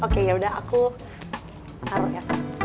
oke yaudah aku taruh ya